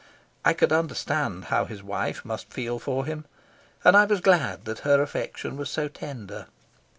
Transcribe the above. I could understand how his wife must feel for him, and I was glad that her affection was so tender.